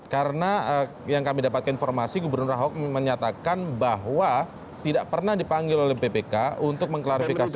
karena yang kami dapatkan informasi gubernur ahok menyatakan bahwa tidak pernah dipanggil oleh ppk untuk mengklarifikasi